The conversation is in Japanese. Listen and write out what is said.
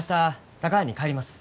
佐川に帰ります。